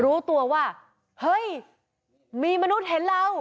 รู้ตัวว่าเฮ้ยมีมนุษย์เห็นเรา